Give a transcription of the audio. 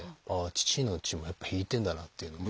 父の血もやっぱ引いてんだなっていうのを。